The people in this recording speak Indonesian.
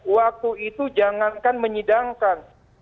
waktu itu jangankan menyidangkan